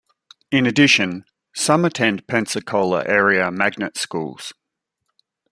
In addition, some attend Pensacola-area magnet schools.